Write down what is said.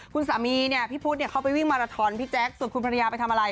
คุณสามีพี่พุทธเข้าไปวิ่งมาราธอนพี่แจ๊คส่วนคุณภรรยาไปทำอะไร